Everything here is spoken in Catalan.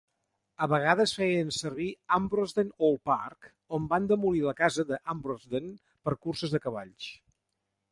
A vegades feien servir Ambrosden Old Park, on van demolir la casa d'Ambrosden, per curses de cavalls.